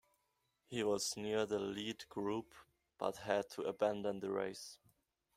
He was near the lead group but had to abandon the race.